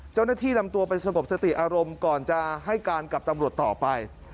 เจ้าหน้าที่นำตัวไปสงบสติอารมณ์ก่อนจะให้การกับตำรวจต่อไป